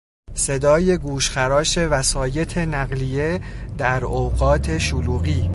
صدای گوشخراش وسایط نقلیه در اوقات شلوغی